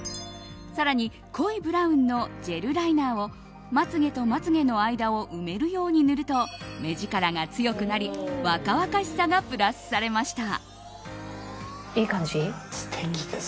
更に、濃いブラウンのジェルライナーをまつ毛とまつ毛の間を埋めるように塗ると目力が強くなり若々しさがプラスされました。